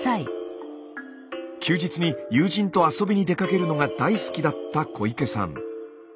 休日に友人と遊びに出かけるのが大好きだった小池さん。